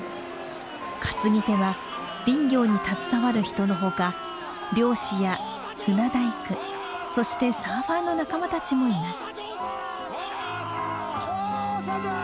担ぎ手は林業に携わる人のほか漁師や船大工そしてサーファーの仲間たちもいます。